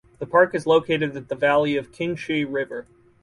The park is located at the valley of the Qingshui River.